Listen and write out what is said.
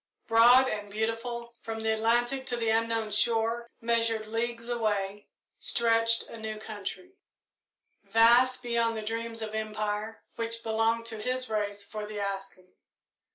Broad and beautiful, from the Atlantic to the unknown shore unmeasured leagues away, stretched a new country, vast beyond the dreams of empire, which belonged to his race for the asking.